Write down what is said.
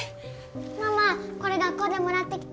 ママこれ学校でもらってきた。